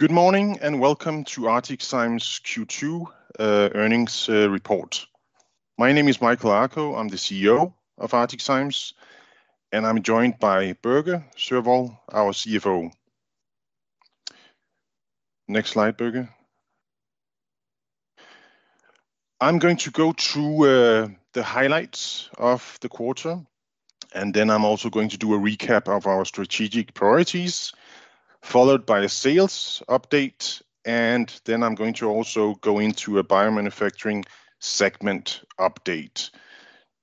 Good morning, and welcome to ArcticZymes Technologies' Q2 earnings report. My name is Michael Akoh. I'm the CEO of ArcticZymes Technologies, and I'm joined by Børge Sørvoll, our CFO. Next slide, Børge. I'm going to go through the highlights of the quarter, and then I'm also going to do a recap of our strategic priorities, followed by a sales update, and then I'm going to also go into a biomanufacturing segment update.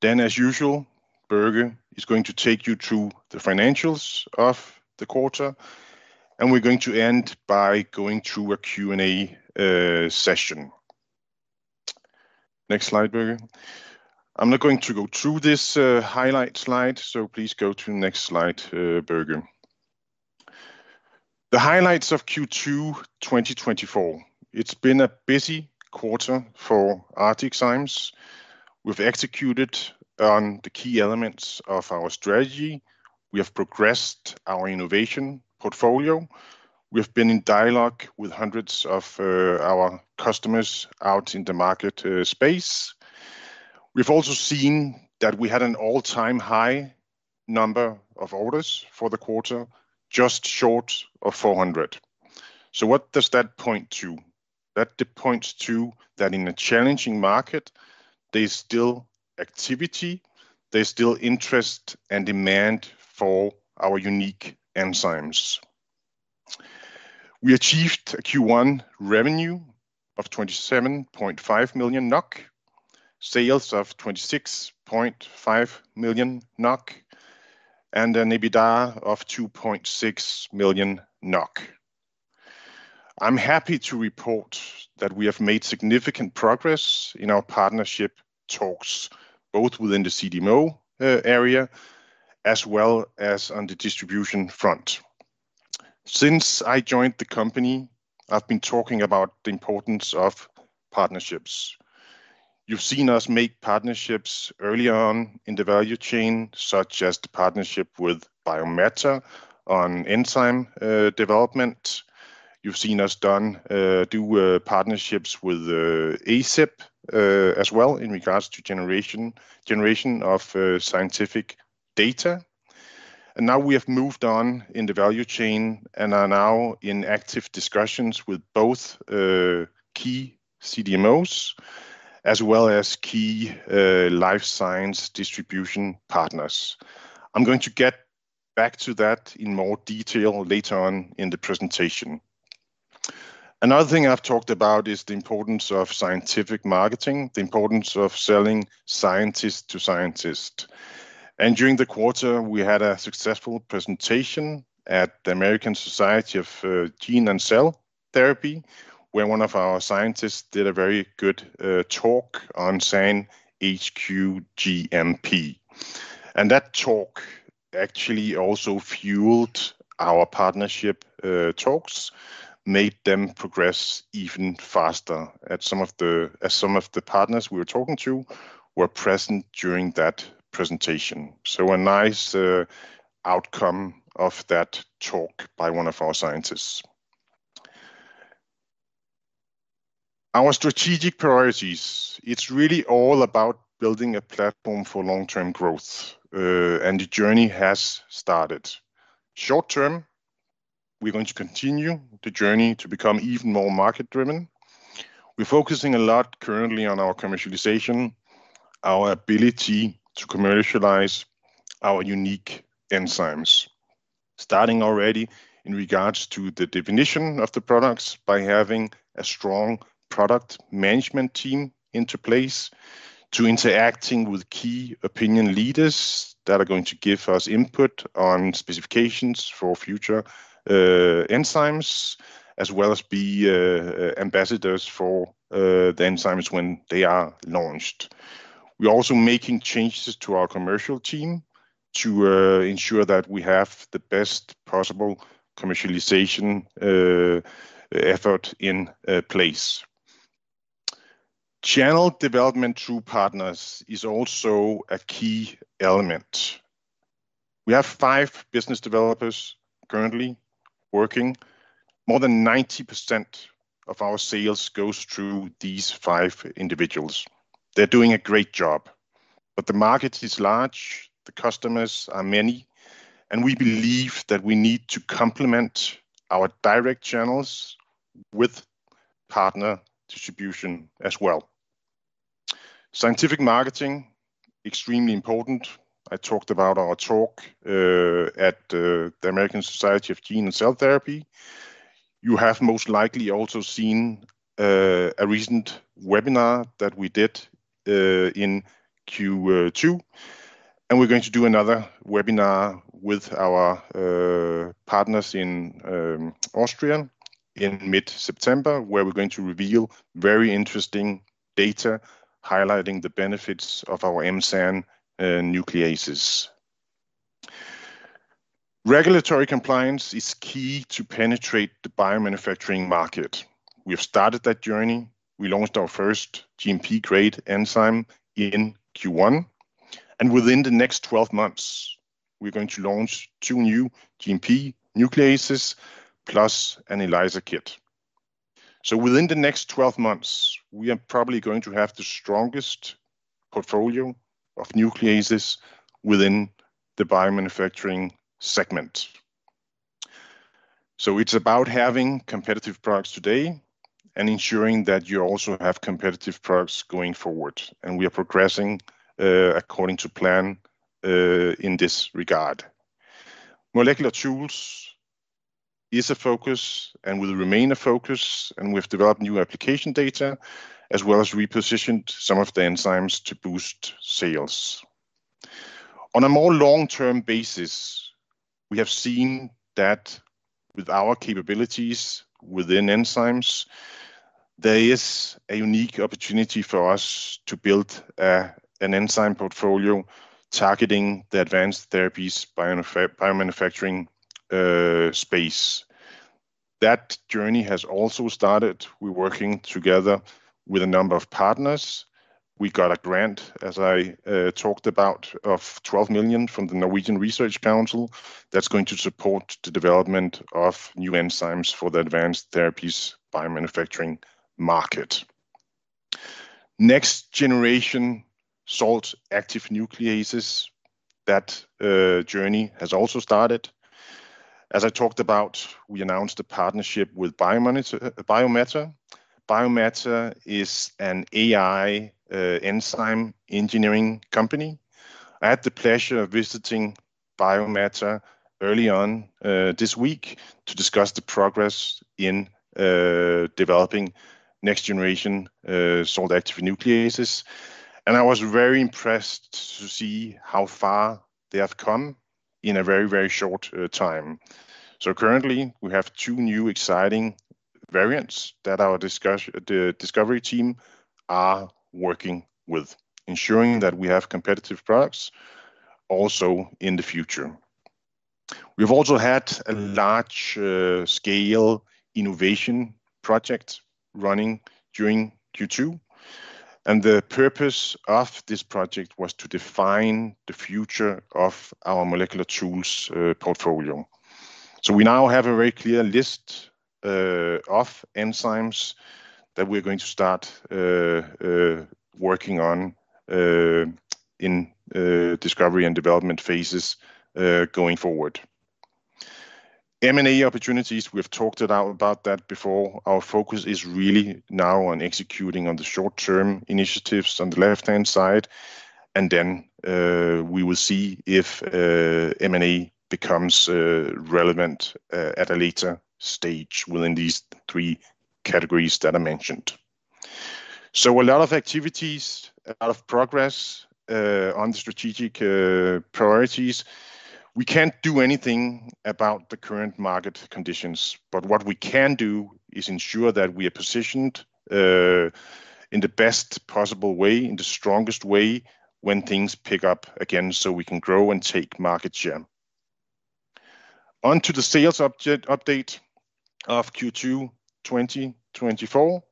Then, as usual, Børge is going to take you through the financials of the quarter, and we're going to end by going through a Q&A session. Next slide, Børge. I'm not going to go through this highlight slide, so please go to the next slide, Børge. The highlights of Q2 2024. It's been a busy quarter for ArcticZymes Technologies. We've executed on the key elements of our strategy. We have progressed our innovation portfolio. We've been in dialogue with hundreds of our customers out in the market space. We've also seen that we had an all-time high number of orders for the quarter, just short of 400. So what does that point to? That points to that in a challenging market, there's still activity, there's still interest and demand for our unique enzymes. We achieved a Q1 revenue of 27.5 million NOK, sales of 26.5 million NOK, and an EBITDA of 2.6 million NOK. I'm happy to report that we have made significant progress in our partnership talks, both within the CDMO area, as well as on the distribution front. Since I joined the company, I've been talking about the importance of partnerships. You've seen us make partnerships early on in the value chain, such as the partnership with Biomatter on enzyme development. You've seen us do partnerships with acib GmbH as well, in regards to generation of scientific data. And now we have moved on in the value chain and are now in active discussions with both key CDMOs as well as key life science distribution partners. I'm going to get back to that in more detail later on in the presentation. Another thing I've talked about is the importance of scientific marketing, the importance of selling scientist to scientist. And during the quarter, we had a successful presentation at the American Society of Gene & Cell Therapy, where one of our scientists did a very good talk on SAN HQ GMP. And that talk actually also fueled our partnership talks, made them progress even faster as some of the partners we were talking to were present during that presentation. So a nice outcome of that talk by one of our scientists. Our strategic priorities. It's really all about building a platform for long-term growth, and the journey has started. Short term, we're going to continue the journey to become even more market-driven. We're focusing a lot currently on our commercialization, our ability to commercialize our unique enzymes, starting already in regards to the definition of the products by having a strong product management team in place, interacting with key opinion leaders that are going to give us input on specifications for future enzymes, as well as be ambassadors for the enzymes when they are launched. We're also making changes to our commercial team to ensure that we have the best possible commercialization effort in place. Channel development through partners is also a key element. We have five business developers currently working. More than 90% of our sales goes through these five individuals. They're doing a great job, but the market is large, the customers are many, and we believe that we need to complement our direct channels with partner distribution as well. Scientific marketing, extremely important. I talked about our talk at the American Society of Gene & Cell Therapy. You have most likely also seen a recent webinar that we did in Q2, and we're going to do another webinar with our partners in Austria in mid-September, where we're going to reveal very interesting data, highlighting the benefits of our M-SAN nucleases. Regulatory compliance is key to penetrate the biomanufacturing market. We have started that journey. We launched our first GMP-grade enzyme in Q1, and within the next twelve months, we're going to launch two new GMP nucleases, plus an ELISA kit. So within the next twelve months, we are probably going to have the strongest portfolio of nucleases within the biomanufacturing segment. So it's about having competitive products today and ensuring that you also have competitive products going forward, and we are progressing according to plan in this regard. Molecular tools is a focus and will remain a focus, and we've developed new application data, as well as repositioned some of the enzymes to boost sales. On a more long-term basis, we have seen that with our capabilities within enzymes, there is a unique opportunity for us to build an enzyme portfolio targeting the advanced therapies biomanufacturing space. That journey has also started. We're working together with a number of partners. We got a grant, as I talked about, of 12 million from the Research Council of Norway. That's going to support the development of new enzymes for the advanced therapies biomanufacturing market. Next generation salt-active nucleases, that journey has also started. As I talked about, we announced a partnership with Biomatter. Biomatter is an AI enzyme engineering company. I had the pleasure of visiting Biomatter early on this week to discuss the progress in developing next generation salt-active nucleases, and I was very impressed to see how far they have come in a very, very short time. Currently, we have two new exciting variants that our discovery team are working with, ensuring that we have competitive products also in the future. We've also had a large scale innovation project running during Q2, and the purpose of this project was to define the future of our molecular tools portfolio. We now have a very clear list of enzymes that we're going to start working on in discovery and development phases going forward. M&A opportunities, we've talked about that before. Our focus is really now on executing on the short-term initiatives on the left-hand side, and then, we will see if M&A becomes relevant at a later stage within these three categories that I mentioned. So a lot of activities, a lot of progress on the strategic priorities. We can't do anything about the current market conditions, but what we can do is ensure that we are positioned in the best possible way, in the strongest way when things pick up again, so we can grow and take market share. On to the sales update of Q2 2024.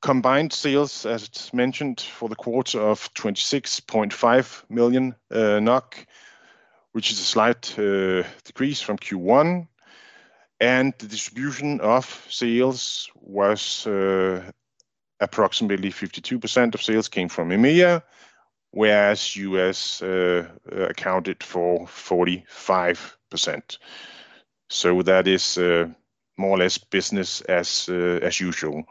Combined sales, as it's mentioned, for the quarter of 26.5 million NOK, which is a slight decrease from Q1. The distribution of sales was approximately 52% of sales came from EMEA, whereas U.S. accounted for 45%. So that is more or less business as usual.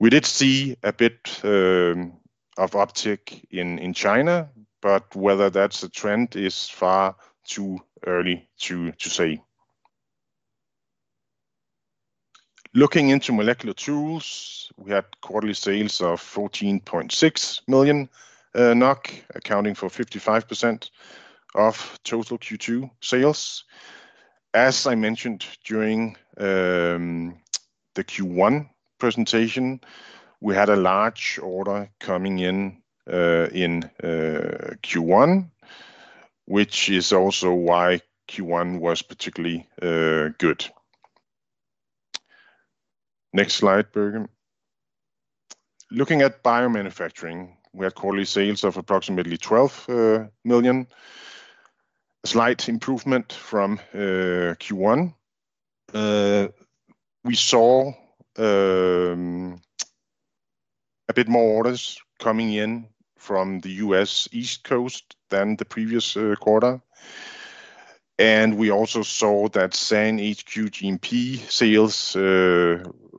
We did see a bit of uptick in China, but whether that's a trend is far too early to say. Looking into molecular tools, we had quarterly sales of 4.6 million NOK, accounting for 55% of total Q2 sales. As I mentioned during the Q1 presentation, we had a large order coming in in Q1, which is also why Q1 was particularly good. Next slide, Børge. Looking at biomanufacturing, we had quarterly sales of approximately 12 million NOK, a slight improvement from Q1. We saw a bit more orders coming in from the US East Coast than the previous quarter, and we also saw that SAN HQ GMP sales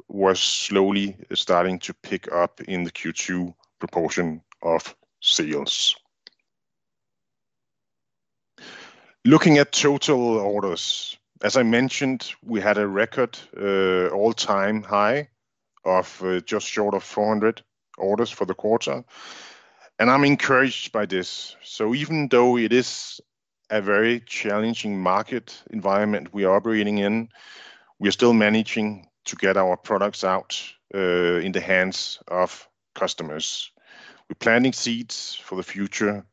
were slowly starting to pick up in the Q2 proportion of sales. Looking at total orders, as I mentioned, we had a record all-time high of just short of 400 orders for the quarter, and I'm encouraged by this. So even though it is a very challenging market environment we are operating in, we are still managing to get our products out in the hands of customers. We're planting seeds for the future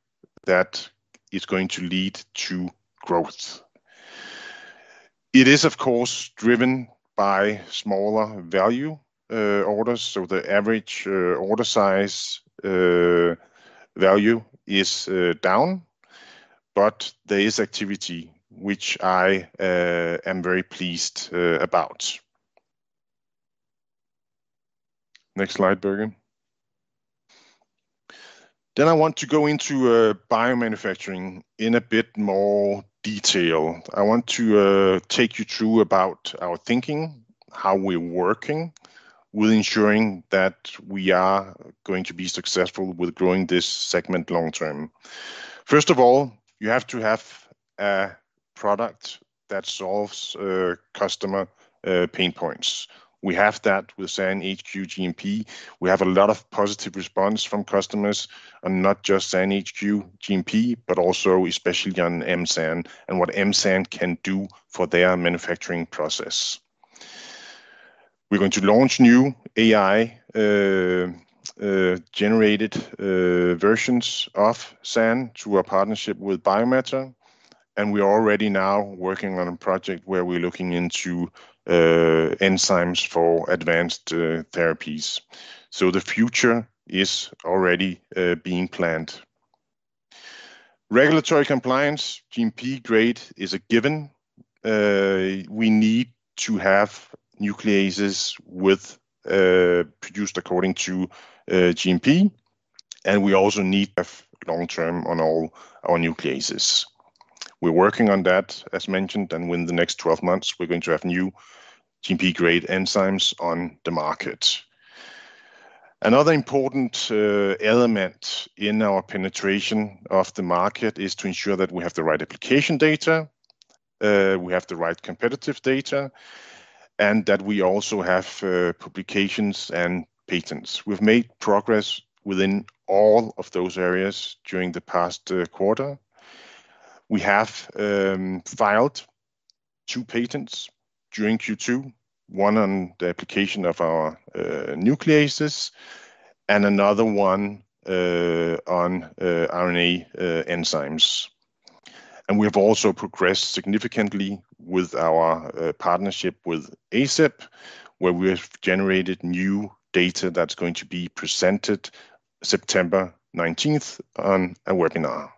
that is going to lead to growth. It is of course driven by smaller value orders, so the average order size value is down. But there is activity, which I am very pleased about. Next slide, Børge Sørvoll. Then I want to go into biomanufacturing in a bit more detail. I want to take you through about our thinking, how we're working with ensuring that we are going to be successful with growing this segment long term. First of all, you have to have a product that solves customer pain points. We have that with SAN HQ GMP. We have a lot of positive response from customers, and not just SAN HQ GMP, but also especially on M-SAN and what M-SAN can do for their manufacturing process. We're going to launch new AI generated versions of SAN through our partnership with Biomatter, and we are already now working on a project where we're looking into enzymes for advanced therapies. So the future is already being planned. Regulatory compliance, GMP grade is a given. We need to have nucleases with produced according to GMP, and we also need a long term on all our nucleases. We're working on that, as mentioned, and within the next 12 months, we're going to have new GMP-grade enzymes on the market. Another important element in our penetration of the market is to ensure that we have the right application data, we have the right competitive data, and that we also have publications and patents. We've made progress within all of those areas during the past quarter. We have filed two patents during Q2, one on the application of our nucleases and another one on RNA enzymes. And we have also progressed significantly with our partnership with acib, where we have generated new data that's going to be presented September 19 on a webinar.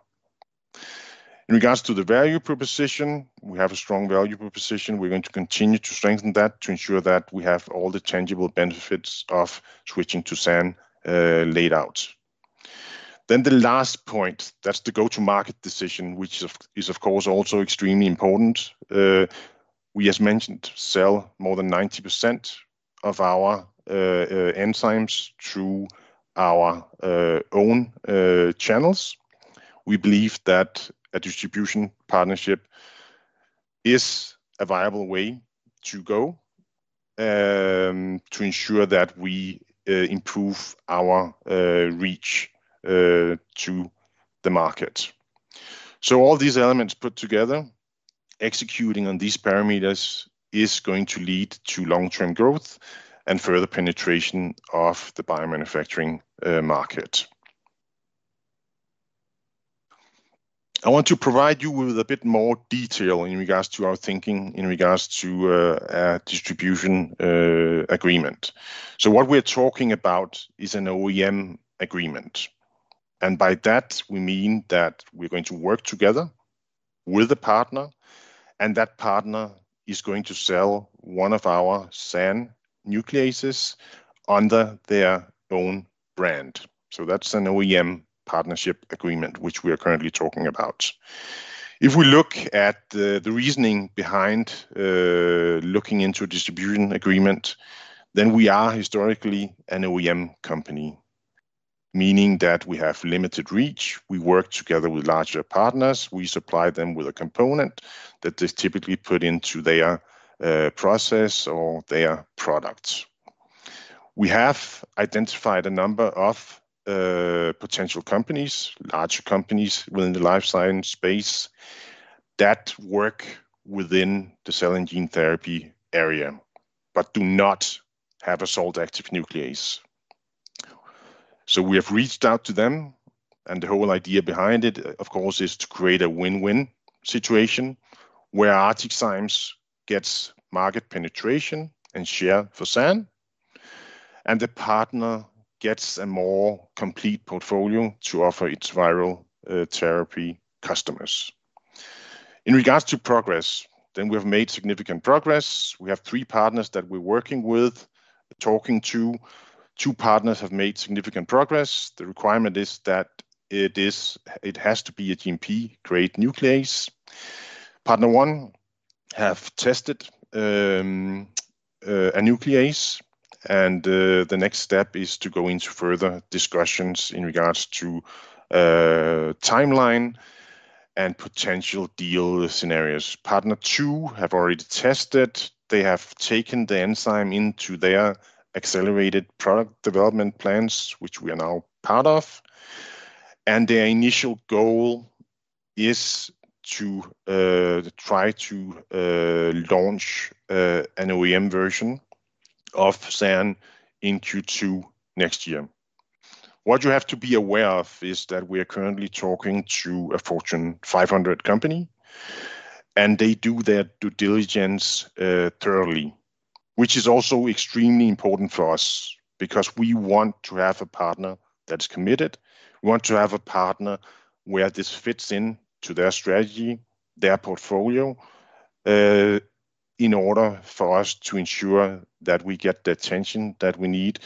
In regards to the value proposition, we have a strong value proposition. We're going to continue to strengthen that to ensure that we have all the tangible benefits of switching to SAN laid out, then the last point, that's the go-to-market decision, which is of course, also extremely important. We, as mentioned, sell more than 90% of our enzymes through our own channels. We believe that a distribution partnership is a viable way to go, to ensure that we improve our reach to the market. So all these elements put together, executing on these parameters is going to lead to long-term growth and further penetration of the biomanufacturing market. I want to provide you with a bit more detail in regards to our thinking, in regards to a distribution agreement. So what we're talking about is an OEM agreement, and by that we mean that we're going to work together with a partner, and that partner is going to sell one of our SAN nucleases under their own brand. So that's an OEM partnership agreement, which we are currently talking about. If we look at the reasoning behind looking into a distribution agreement, then we are historically an OEM company, meaning that we have limited reach. We work together with larger partners. We supply them with a component that is typically put into their process or their products. We have identified a number of potential companies, larger companies within the life science space, that work within the cell and gene therapy area, but do not have a salt-active nuclease. We have reached out to them, and the whole idea behind it, of course, is to create a win-win situation where ArcticZymes gets market penetration and share for SAN, and the partner gets a more complete portfolio to offer its viral therapy customers. In regards to progress, then we have made significant progress. We have three partners that we're working with, talking to. Two partners have made significant progress. The requirement is that it has to be a GMP-grade nuclease. Partner one have tested a nuclease, and the next step is to go into further discussions in regards to timeline and potential deal scenarios. Partner two have already tested. They have taken the enzyme into their accelerated product development plans, which we are now part of, and their initial goal is to try to launch an OEM version of SAN in Q2 next year. What you have to be aware of is that we are currently talking to a Fortune 500 company, and they do their due diligence thoroughly, which is also extremely important for us because we want to have a partner that's committed. We want to have a partner where this fits in to their strategy, their portfolio, in order for us to ensure that we get the attention that we need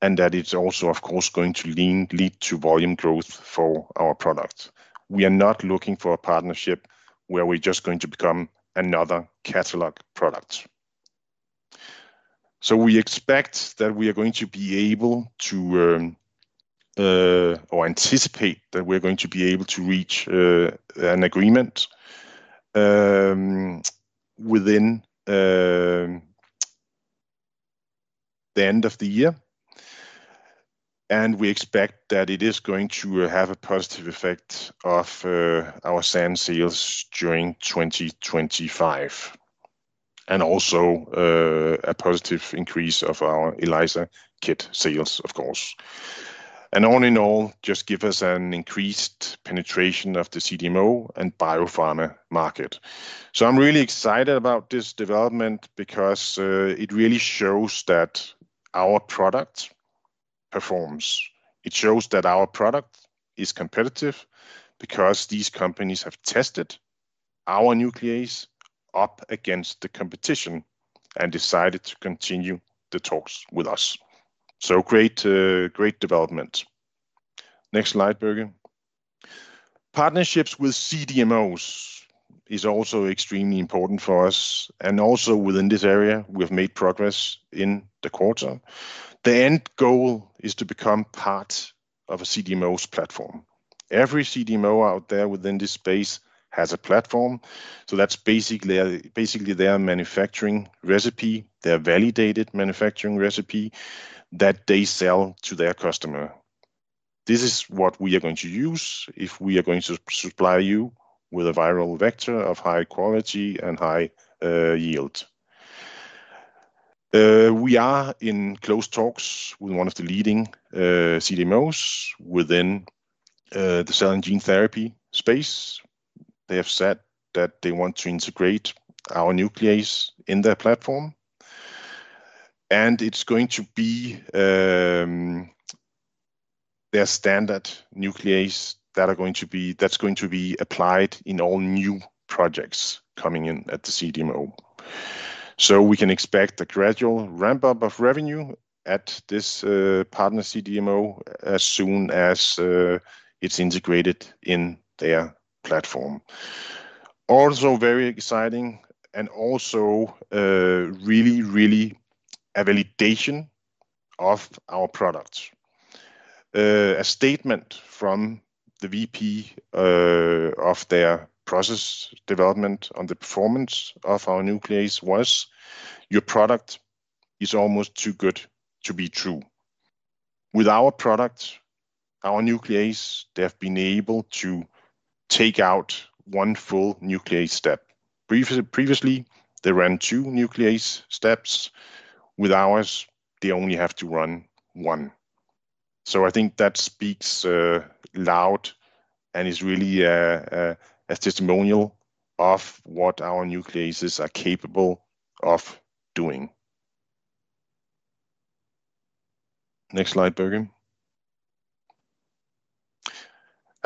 and that it's also, of course, going to lead to volume growth for our product. We are not looking for a partnership where we're just going to become another catalog product. So we expect that we are going to be able to, or anticipate that we're going to be able to reach, an agreement, within, the end of the year. And we expect that it is going to have a positive effect of, our SAN sales during 2025, and also, a positive increase of our ELISA kit sales, of course. And all in all, just give us an increased penetration of the CDMO and biopharma market. So I'm really excited about this development because, it really shows that our product performs. It shows that our product is competitive because these companies have tested our nuclease up against the competition and decided to continue the talks with us. So great, great development. Next slide, Børge Sørvoll. Partnerships with CDMOs is also extremely important for us, and also within this area, we have made progress in the quarter. The end goal is to become part of a CDMO's platform. Every CDMO out there within this space has a platform, so that's basically their manufacturing recipe, their validated manufacturing recipe that they sell to their customer. This is what we are going to use if we are going to supply you with a viral vector of high quality and high yield. We are in close talks with one of the leading CDMOs within the cell and gene therapy space. They have said that they want to integrate our nuclease in their platform, and it's going to be their standard nuclease that's going to be applied in all new projects coming in at the CDMO. We can expect a gradual ramp-up of revenue at this partner CDMO as soon as it's integrated in their platform. Also very exciting and also really, really a validation of our products. A statement from the VP of their process development on the performance of our nuclease was: "Your product is almost too good to be true." With our product, our nuclease, they have been able to take out one full nuclease step. Briefly, previously, they ran two nuclease steps. With ours, they only have to run one. So I think that speaks loud and is really a testimonial of what our nucleases are capable of doing. Next slide, Børge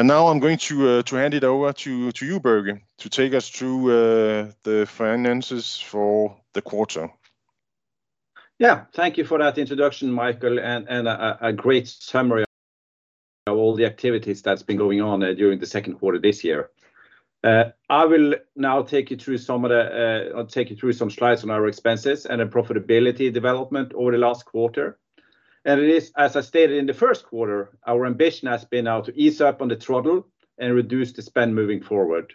Sørvoll. Now I'm going to hand it over to you, Børge Sørvoll, to take us through the finances for the quarter. Yeah, thank you for that introduction, Michael, and a great summary of all the activities that's been going on during the Q2 this year. I will now take you through some slides on our expenses and the profitability development over the last quarter. It is, as I stated in the first quarter, our ambition has been now to ease up on the throttle and reduce the spend moving forward.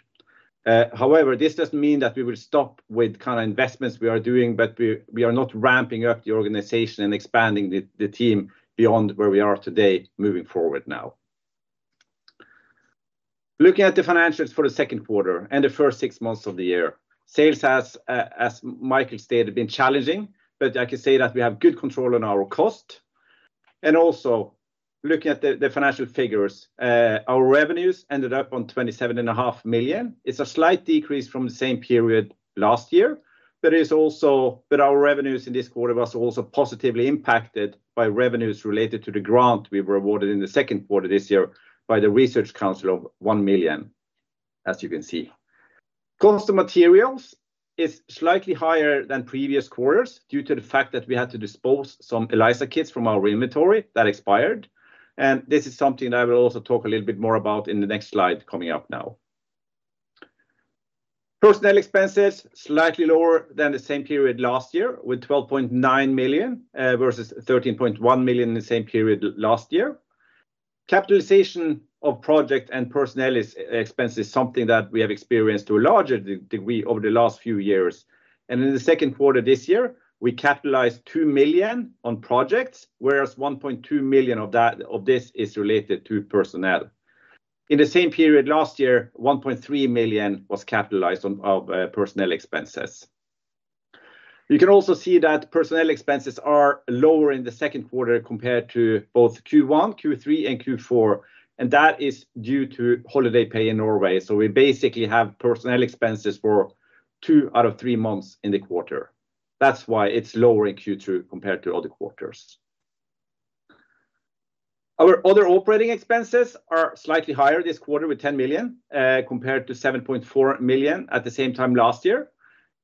However, this doesn't mean that we will stop with kind of investments we are doing, but we are not ramping up the organization and expanding the team beyond where we are today moving forward now. Looking at the financials for the second quarter and the first six months of the year, sales has, as Michael stated, been challenging, but I can say that we have good control on our cost. Also, looking at the financial figures, our revenues ended up on 27.5 million. It's a slight decrease from the same period last year, but it is also, but our revenues in this quarter was also positively impacted by revenues related to the grant we were awarded in the second quarter this year by the Research Council of Norway of 1 million, as you can see. Cost of materials is slightly higher than previous quarters due to the fact that we had to dispose some ELISA kits from our inventory that expired, and this is something that I will also talk a little bit more about in the next slide coming up now. Personnel expenses, slightly lower than the same period last year, with 12.9 million versus 13.1 million in the same period last year. Capitalization of project and personnel expenses, something that we have experienced to a larger degree over the last few years, and in the second quarter this year, we capitalized 2 million on projects, whereas 1.2 million of that is related to personnel. In the same period last year, 1.3 million was capitalized on personnel expenses. You can also see that personnel expenses are lower in the second quarter compared to both Q1, Q3, and Q4, and that is due to holiday pay in Norway, so we basically have personnel expenses for two out of three months in the quarter. That's why it's lower in Q2 compared to other quarters. Our other operating expenses are slightly higher this quarter, with 10 million compared to 7.4 million at the same time last year,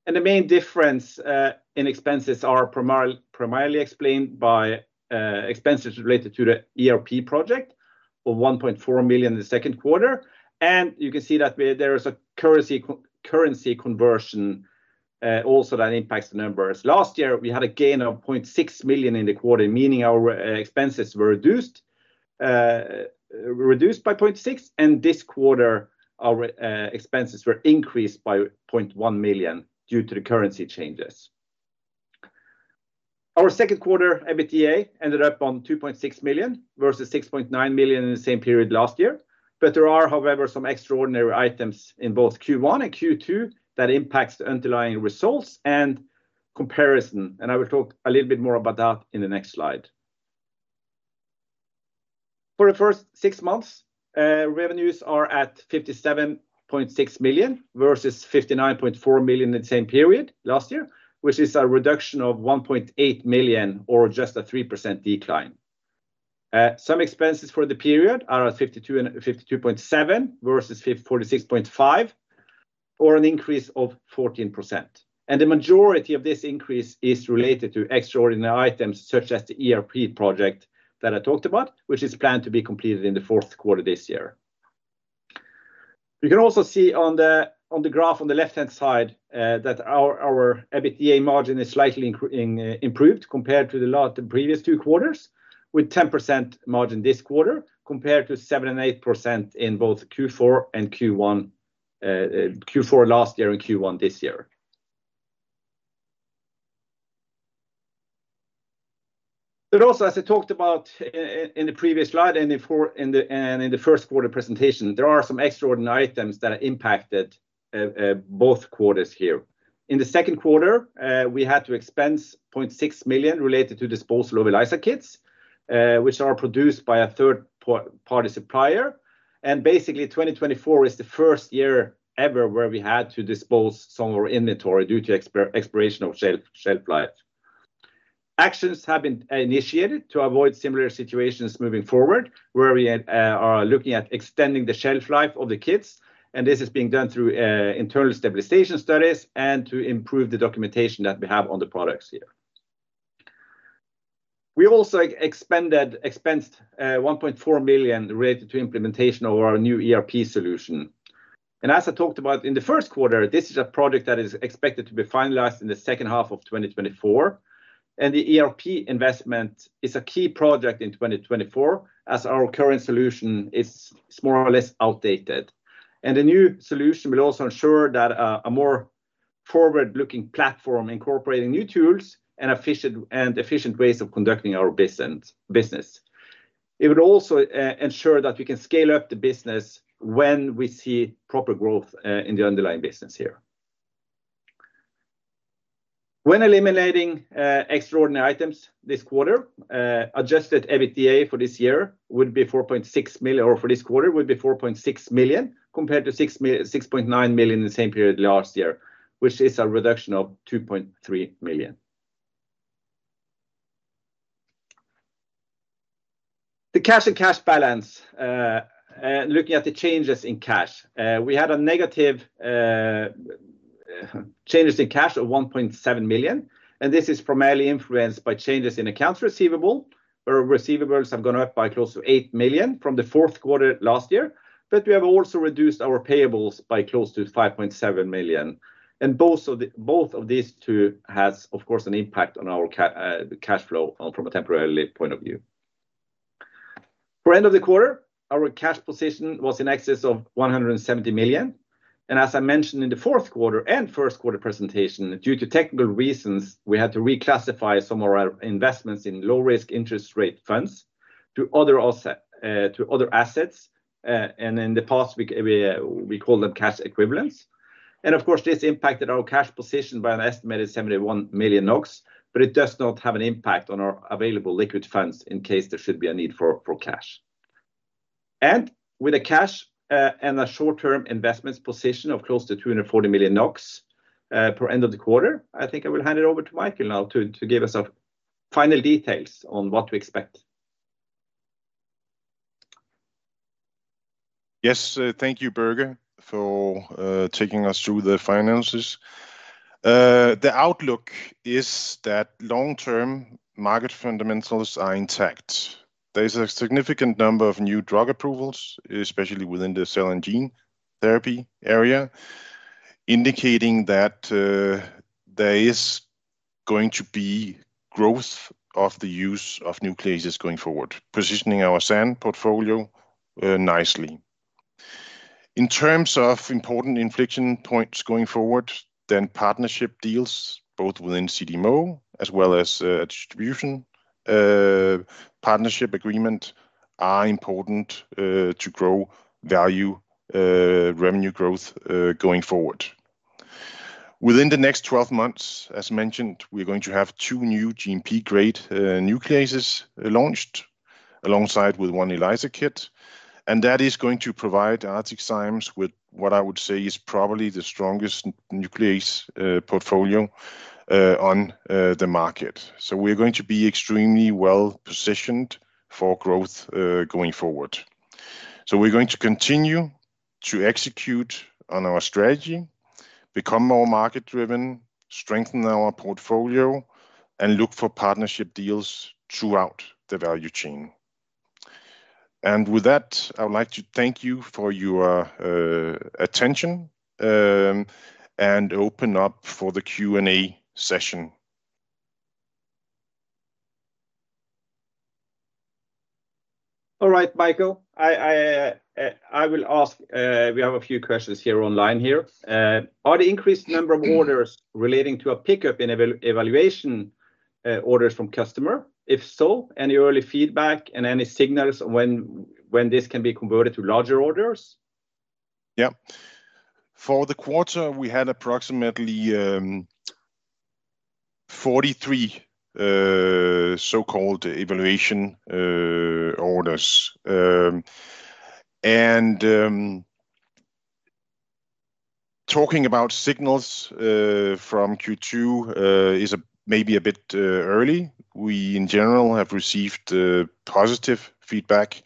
and the main difference in expenses are primarily explained by expenses related to the ERP project of 1.4 million in the Q2, and you can see that there is a currency conversion also that impacts the numbers. Last year we had a gain of 0.6 million in the quarter, meaning our expenses were reduced by 0.6, and this quarter our expenses were increased by 0.1 million due to the currency changes. Our second quarter EBITDA ended up on 2.6 million, versus 6.9 million in the same period last year. But there are, however, some extraordinary items in both Q1 and Q2 that impacts the underlying results and comparison, and I will talk a little bit more about that in the next slide. For the first six months, revenues are at 57.6 million, versus 59.4 million in the same period last year, which is a reduction of 1.8 million, or just a 3% decline. Some expenses for the period are at 52.7, versus 46.5, or an increase of 14%. The majority of this increase is related to extraordinary items, such as the ERP project that I talked about, which is planned to be completed in the fourth quarter this year. You can also see on the graph on the left-hand side that our EBITDA margin is slightly improved compared to the last previous two quarters, with 10% margin this quarter, compared to 7% and 8% in both Q4 last year and Q1 this year. But also, as I talked about in the previous slide, and in Q4, and in the Q1 presentation, there are some extraordinary items that are impacted both quarters here. In the Q2, we had to expense 0.6 million NOK related to disposal of ELISA kits, which are produced by a third-party supplier. Basically, 2024 is the first year ever where we had to dispose some of our inventory due to expiration of shelf life. Actions have been initiated to avoid similar situations moving forward, where we are looking at extending the shelf life of the kits, and this is being done through internal stabilization studies and to improve the documentation that we have on the products here. We also expensed 1.4 million NOK related to implementation of our new ERP solution. As I talked about in the Q1, this is a project that is expected to be finalized in the second half of 2024, and the ERP investment is a key project in 2024, as our current solution is more or less outdated. The new solution will also ensure that a more forward-looking platform, incorporating new tools and efficient ways of conducting our business. It would also ensure that we can scale up the business when we see proper growth in the underlying business here. When eliminating extraordinary items this quarter, adjusted EBITDA for this year would be 4.6 million, or for this quarter, would be 4.6 million, compared to 6.9 million in the same period last year, which is a reduction of 2.3 million. The cash and cash balance. Looking at the changes in cash, we had a negative changes in cash of 1.7 million, and this is primarily influenced by changes in accounts receivable, where receivables have gone up by close to 8 million from the Q4 last year. But we have also reduced our payables by close to 5.7 million, and both of these two has, of course, an impact on our the cash flow from a temporary point of view. For end of the quarter, our cash position was in excess of 170 million, and as I mentioned in the Q4 and first quarter presentation, due to technical reasons, we had to reclassify some of our investments in low-risk interest rate funds to other asset, to other assets. In the past, we call them cash equivalents. Of course, this impacted our cash position by an estimated 71 million NOK, but it does not have an impact on our available liquid funds in case there should be a need for cash. With the cash and a short-term investments position of close to 240 million NOK per end of the quarter, I think I will hand it over to Michael now to give us a final details on what we expect. Yes, thank you, Børge, for taking us through the finances. The outlook is that long-term market fundamentals are intact. There is a significant number of new drug approvals, especially within the cell and gene therapy area, indicating that there is going to be growth of the use of nucleases going forward, positioning our SAN portfolio nicely. In terms of important inflection points going forward, then partnership deals both within CDMO as well as distribution partnership agreement are important to grow value revenue growth going forward. Within the next 12 months, as mentioned, we're going to have two new GMP-grade nucleases launched, alongside with one ELISA kit, and that is going to provide ArcticZymes Technologies with what I would say is probably the strongest nuclease portfolio on the market. So we're going to be extremely well positioned for growth, going forward. So we're going to continue to execute on our strategy, become more market driven, strengthen our portfolio, and look for partnership deals throughout the value chain. And with that, I would like to thank you for your attention, and open up for the Q&A session. All right, Michael, I will ask. We have a few questions here online. Are the increased number of orders relating to a pickup in evaluation orders from customer? If so, any early feedback and any signals when this can be converted to larger orders? Yeah. For the quarter, we had approximately 43 so-called evaluation orders. Talking about signals from Q2 is maybe a bit early. We, in general, have received positive feedback,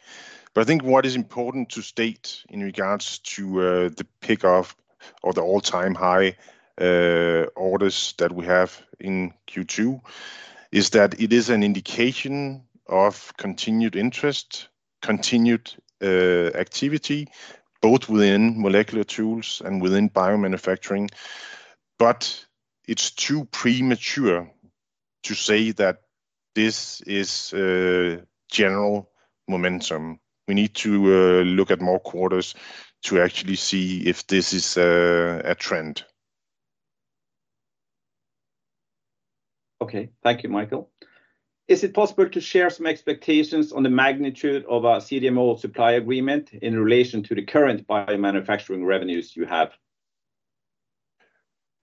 but I think what is important to state in regards to the pick up or the all-time high orders that we have in Q2 is that it is an indication of continued interest, continued activity, both within molecular tools and within biomanufacturing. But it's too premature to say that this is a general momentum. We need to look at more quarters to actually see if this is a trend. Okay. Thank you, Michael. Is it possible to share some expectations on the magnitude of our CDMO supply agreement in relation to the current biomanufacturing revenues you have?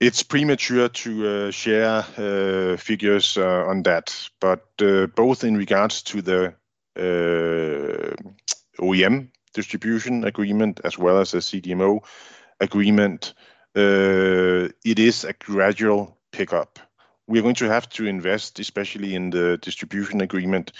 It's premature to share figures on that, but both in regards to the OEM distribution agreement as well as the CDMO agreement, it is a gradual pickup. We're going to have to invest, especially in the distribution agreement,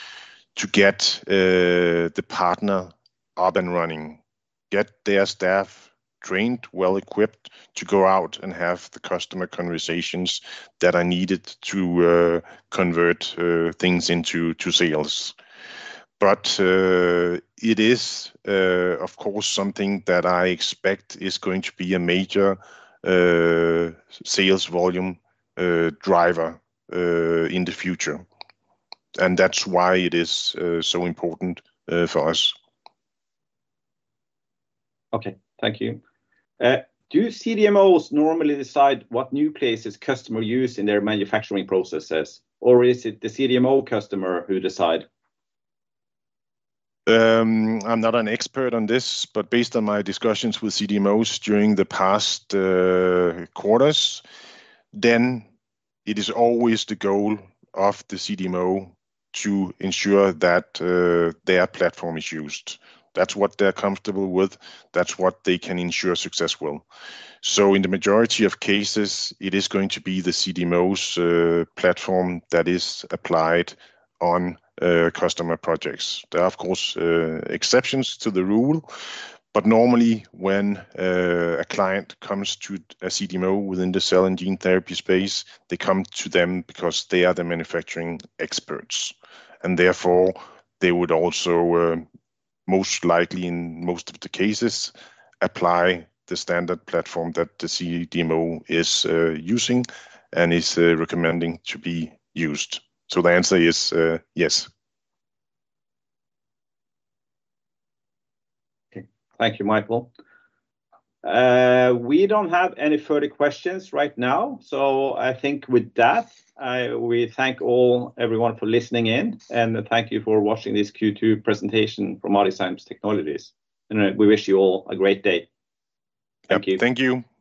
to get the partner up and running, get their staff trained, well-equipped to go out and have the customer conversations that are needed to convert things into sales, but it is, of course, something that I expect is going to be a major sales volume driver in the future, and that's why it is so important for us. Okay, thank you. Do CDMOs normally decide what new reagents customers use in their manufacturing processes, or is it the CDMO customer who decides? I'm not an expert on this, but based on my discussions with CDMOs during the past quarters, then it is always the goal of the CDMO to ensure that their platform is used. That's what they're comfortable with. That's what they can ensure successful, so in the majority of cases, it is going to be the CDMO's platform that is applied on customer projects. There are, of course, exceptions to the rule, but normally when a client comes to a CDMO within the cell and gene therapy space, they come to them because they are the manufacturing experts, and therefore, they would also most likely, in most of the cases, apply the standard platform that the CDMO is using and is recommending to be used, so the answer is yes. Okay. Thank you, Michael. We don't have any further questions right now, so I think with that, we thank all everyone for listening in, and thank you for watching this Q2 presentation from ArcticZymes Technologies, and, we wish you all a great day. Thank you. Thank you.